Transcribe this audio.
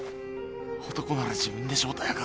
男なら自分で正体明かせ。